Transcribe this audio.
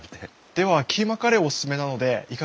ではキーマカレーおすすめなのでいかがですか？